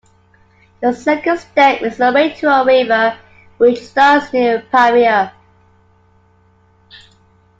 The second stem is the Waitoa River, which starts near Piarere.